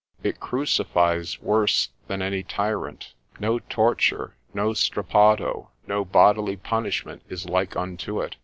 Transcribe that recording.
It crucifies worse than any tyrant; no torture, no strappado, no bodily punishment is like unto it.